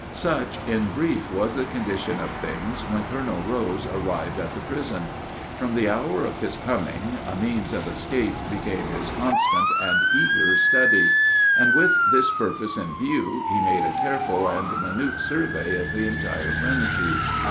Such, in brief, was the condition of things when Colonel Rose arrived at the prison. From the hour of his coming, a means of escape became his constant and eager study; and, with this purpose in view, he made a careful and minute survey of the entire premises.